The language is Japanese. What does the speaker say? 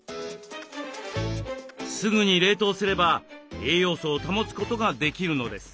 すぐに冷凍すれば栄養素を保つことができるのです。